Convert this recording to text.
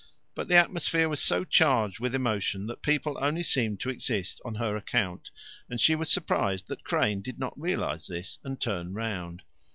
But the atmosphere was so charged with emotion that people only seemed to exist on her account, and she was surprised that Crane did not realize this, and turn round.